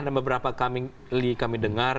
ada beberapa kami dengar